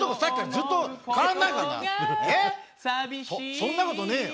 そんな事ねえよ。